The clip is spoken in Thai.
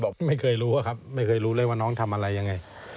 ไม่เคยรู้อะครับไม่เคยรู้เลยว่าน้องทำอะไรยังไง